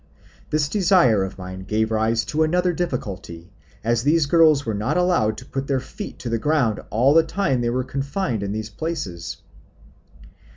This desire of mine gave rise to another difficulty, as these girls were not allowed to put their feet to the ground all the time they were confined in these places.